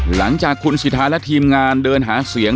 หลังจากคุณสิทธาและทีมงานเดินหาเสียง